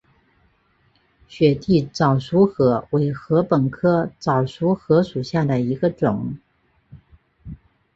雪地早熟禾为禾本科早熟禾属下的一个种。